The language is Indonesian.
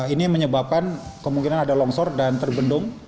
ini menyebabkan kemungkinan ada longsor dan terbendung